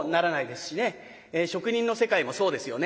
職人の世界もそうですよね。